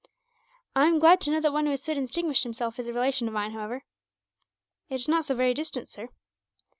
"I am glad to know that one who has so distinguished himself is a relation of mine, however distant." "It is not so very distant, sir.